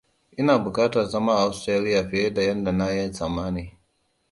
Ina buƙatar zama a Australia fiye da yadda na yi tsammani.